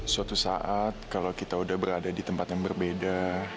suatu saat kalau kita sudah berada di tempat yang berbeda